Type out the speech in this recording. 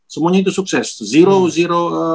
semuanya itu sukses zero zero